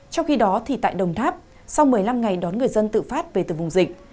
trong khi đó tại đồng tháp sau một mươi năm ngày đón người dân tự phát về từ vùng dịch